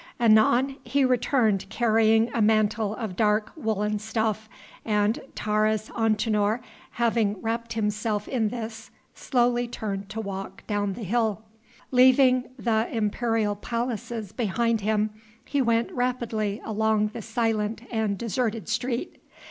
Anon he returned carrying a mantle of dark woollen stuff, and Taurus Antinor, having wrapped himself in this, slowly turned to walk down the hill. Leaving the imperial palaces behind him, he went rapidly along the silent and deserted street.